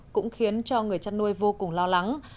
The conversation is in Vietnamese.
cũng khiến cho người chăn nuôi vô cùng lo lắng